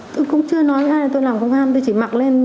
tôi cũng chưa nói với ai là tôi làm công an tôi chỉ mặc lên